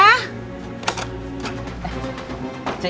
eh enggak boleh